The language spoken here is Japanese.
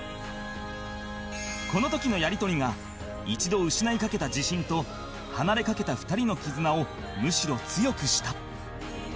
この時のやり取りが一度失いかけた自信と離れかけた２人の絆をむしろ強くした